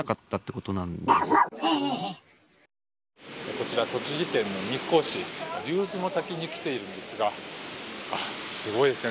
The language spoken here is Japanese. こちらと栃木県の日光市竜頭ノ滝に来ているんですがすごいですね。